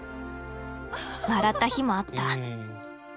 笑った日もあった。